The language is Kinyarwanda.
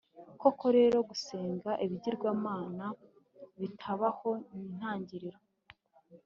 Koko rero, gusenga ibigirwamana bitabaho ni intangiriro,